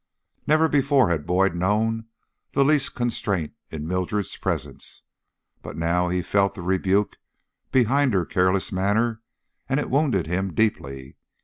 Never before had Boyd known the least constraint in Mildred's presence, but now he felt the rebuke behind her careless manner, and it wounded him deeply.